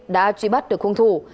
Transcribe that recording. đã truy bắt được khung thủ